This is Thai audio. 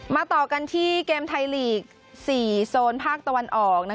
ต่อกันที่เกมไทยลีก๔โซนภาคตะวันออก